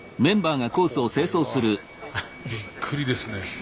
これはびっくりですね。